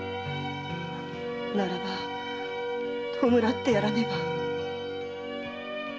ならば弔ってやらねば。